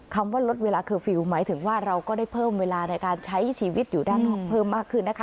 ว่าลดเวลาเคอร์ฟิลล์หมายถึงว่าเราก็ได้เพิ่มเวลาในการใช้ชีวิตอยู่ด้านนอกเพิ่มมากขึ้นนะคะ